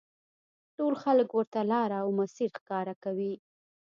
ټول خلک ورته لاره او مسیر ښکاره کوي.